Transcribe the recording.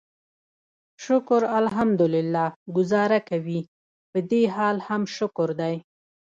شکر الحمدلله ګوزاره کوي، پدې حال هم شکر دی.